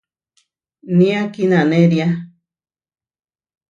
Nía kínanéria.